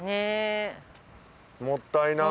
もったいない。